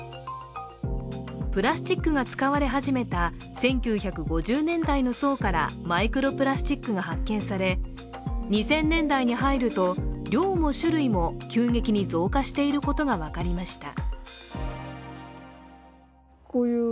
プラスチックが使われ始めた１９５０年代の層からマイクロプラスチックが発見され２０００年代に入ると、量も種類も急激に増加していることが分かりました。